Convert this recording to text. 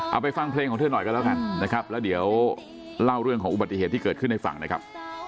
เอาไปฟังเพลงของเธอหน่อยก็แล้วกันนะครับแล้วเดี๋ยวเล่าเรื่องของอุบัติเหตุที่เกิดขึ้นให้ฟังนะครับ